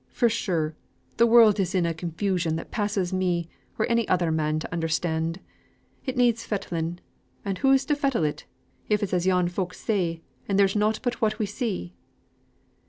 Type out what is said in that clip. For sure, th' world is in a confusion that passes me or any other man to understand; it needs fettling, and who's to fettle it if it's as yon folks say, and there's nought but what we see?"